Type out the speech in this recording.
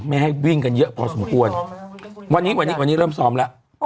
ไม่ให้วิ่งกันเยอะพอสมควรวันนี้วันนี้เริ่มซ้อมแล้ว